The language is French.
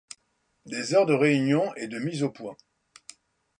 des heures de réunions et de mises au point.